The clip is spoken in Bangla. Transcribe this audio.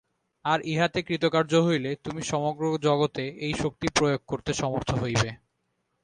আর ইহাতে কৃতকার্য হইলে তুমি সমগ্র জগতে এই শক্তি প্রয়োগ করিতে সমর্থ হইবে।